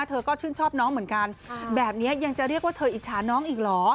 เธอก็ชื่นชอบน้องเหมือนกันแบบนี้ยังจะเรียกว่าเธออิจฉาน้องอีกเหรอ